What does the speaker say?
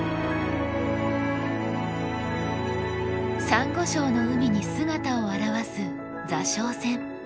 サンゴ礁の海に姿を現す座礁船。